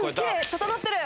整ってる。